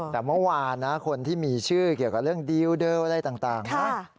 แต่เมื่อวานนะคนที่มีชื่อเกี่ยวกับเรื่องดีลเดลอะไรต่างนะ